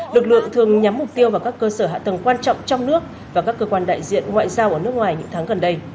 lực lượng thường nhắm mục tiêu vào các cơ sở hạ tầng quan trọng trong nước và các cơ quan đại diện ngoại giao ở nước ngoài những tháng gần đây